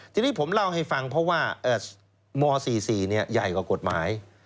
ทีนี้ผมเล่าให้ฟังเพราะว่าม๔๔ใหญ่กว่ากฎหมาย